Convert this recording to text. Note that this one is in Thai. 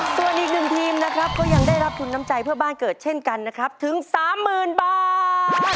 ส่วนอีกหนึ่งทีมนะครับก็ยังได้รับทุนน้ำใจเพื่อบ้านเกิดเช่นกันนะครับถึง๓๐๐๐บาท